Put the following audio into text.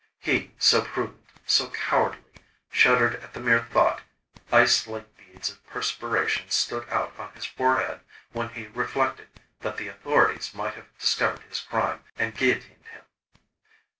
He so prudent, so cowardly, shuddered at the mere thought; ice like beads of perspiration stood out on his forehead when he reflected that the authorities might have discovered his crime and guillotined him.